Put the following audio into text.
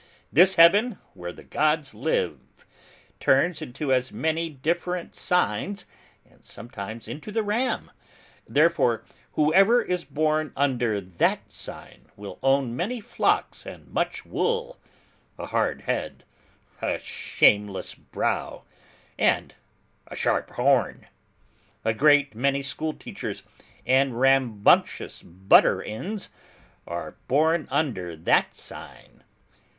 This heaven where the gods live, turns into as many different signs, and sometimes into the Ram: therefore, whoever is born under that sign will own many flocks and much wool, a hard head, a shameless brow, and a sharp horn. A great many school teachers and rambunctious butters in are born under that sign."